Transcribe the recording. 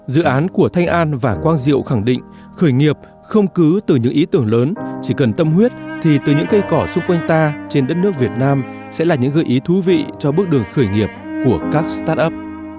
dự án của thanh an và quang diệu khẳng định khởi nghiệp không cứ từ những ý tưởng lớn chỉ cần tâm huyết thì từ những cây cỏ xung quanh ta trên đất nước việt nam sẽ là những gợi ý thú vị cho bước đường khởi nghiệp của các start up